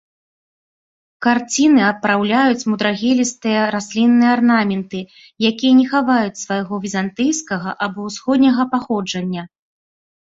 Карціны апраўляюць мудрагелістыя раслінныя арнаменты, якія не хаваюць свайго візантыйскага або ўсходняга паходжання.